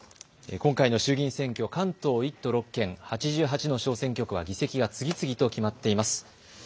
今回の衆議院選挙、関東１都６県、８８の小選挙区は議席が次々と決まっています。